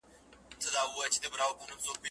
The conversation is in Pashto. که ماشوم دی که زلمی که ږیره وردی